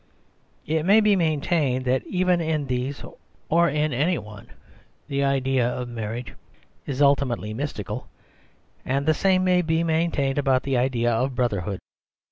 It may be maintained that even in these, or in any one, the idea of mar riage is ultimately mystical ; and the same may be maintained about the idea of brotherhood.